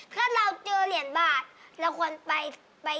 ถ้าเราเจอเหรียญบาทเราควรไป